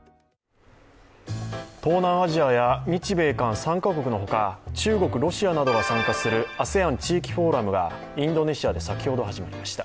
東南アジアや日米韓３か国のほか中国、ロシアなどが参加するＡＳＥＡＮ地域フォーラムが、インドネシアで先ほど始まりました。